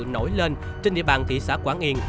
nổi lên trên địa bàn thị xã quảng yên